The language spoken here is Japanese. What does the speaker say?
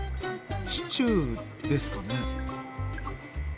シチューですかね？